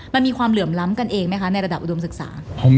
มันมีความเหลื่อมล้ำกันเองไหมคะในระดับอุดมศึกษา